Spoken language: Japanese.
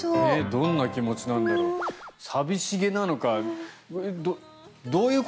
どんな気持ちなんだろう。